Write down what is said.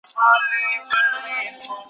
او له هغه وروسته که